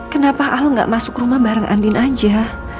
kenapa al gak masuk rumah bareng andien aja